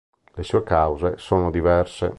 Le sue cause sono diverse.